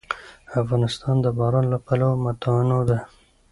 افغانستان د باران له پلوه متنوع دی.